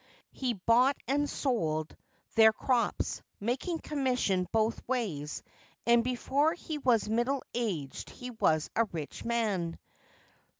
He bought and he sold their crops, making commission both ways, and before he was middle aged he was a rich man.